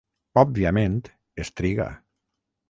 Òbviament, es triga.